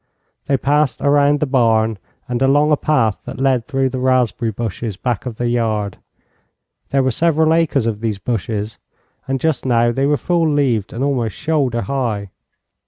They passed around the barn and along a path that led through the raspberry bushes back of the yard. There were several acres of these bushes, and just now they were full leaved and almost shoulder high.